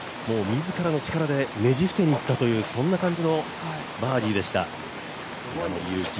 自らの力でねじ伏せにいったという、そんな感じのバーディーでした、稲森佑貴。